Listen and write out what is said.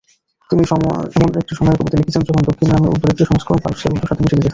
তিনি এমন একটি সময়ে কবিতা লিখেছেন যখন দক্ষিণী নামে উর্দুর একটি সংস্করণ পারস্যের উর্দুর সাথে মিশে যেতে থাকে।